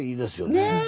ねえ。